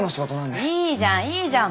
いいじゃんいいじゃん。